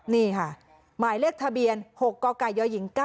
นี่ค่ะหมายเลขทะเบียน๖กกยหญิง๙